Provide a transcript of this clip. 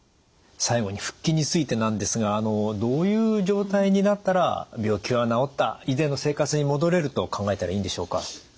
最後に復帰についてなんですがどういう状態になったら病気は治った以前の生活に戻れると考えたらいいんでしょうか？